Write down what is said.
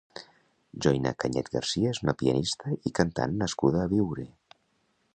Joina Canyet Garcia és una pianista i cantant nascuda a Biure.